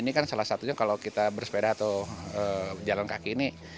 ini kan salah satunya kalau kita bersepeda atau jalan kaki ini